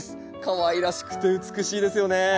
かわいらしくて美しいですよね。